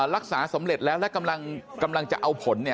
รักษาสำเร็จแล้วและกำลังจะเอาผล